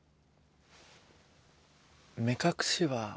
目隠しは？